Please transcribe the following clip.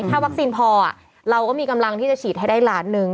ถ้าวัคซีนพอเราก็มีกำลังที่จะฉีดให้ได้ล้านหนึ่ง